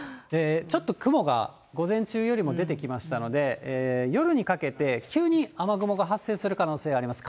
ちょっと雲が午前中よりも出てきましたので、夜にかけて、急に雨雲が発生する可能性あります。